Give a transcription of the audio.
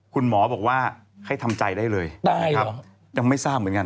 คุณหมอบอกว่าให้ทำใจได้เลยได้ครับยังไม่ทราบเหมือนกัน